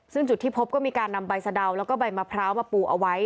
ซึ่งจุดที่พบก็มีการนำใบสะดาวแล้วก็ใบมะพร้าวมาปูเอาไว้